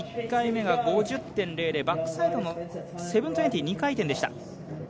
１回目が５０．００バックサイドの７２０、２回転でした。